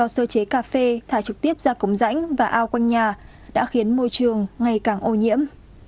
sơ chế cà phê thải trực tiếp ra cống rãnh và ao quanh nhà đã khiến môi trường ngày càng ô nhiễm